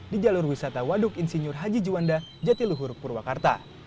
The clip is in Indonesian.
di jalur wisata waduk insinyur haji juanda jatiluhur purwakarta